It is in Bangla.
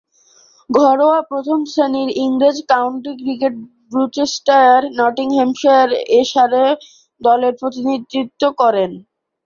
ঘরোয়া প্রথম-শ্রেণীর ইংরেজ কাউন্টি ক্রিকেটে গ্লুচেস্টারশায়ার, নটিংহ্যামশায়ার ও সারে দলের প্রতিনিধিত্ব করেন।